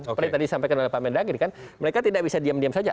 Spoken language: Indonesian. seperti tadi disampaikan oleh pak mendagri kan mereka tidak bisa diam diam saja